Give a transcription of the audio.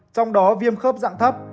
trong đó viêm khớp dạng thấp